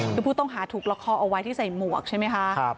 คือผู้ต้องหาถูกละคอเอาไว้ที่ใส่หมวกใช่ไหมคะ